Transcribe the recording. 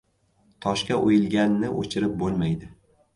• Toshga o‘yilganni o‘chirib bo‘lmaydi.